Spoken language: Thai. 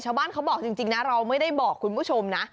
เขาบอกจริงนะเราไม่ได้บอกคุณผู้ชมนะ